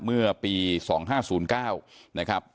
เมื่อปี๒๕๐๙นะครับ